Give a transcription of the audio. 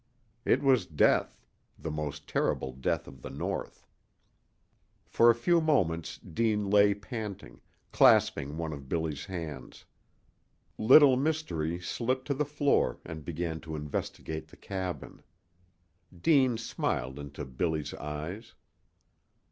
It was death, the most terrible death of the north. For a few moments Deane lay panting, clasping one of Billy's hands. Little Mystery slipped to the floor and began to investigate the cabin. Deane smiled into Billy's eyes.